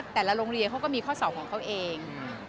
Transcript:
แต่ละโรงเรียนเขาก็มีข้อสอบของเขาเอง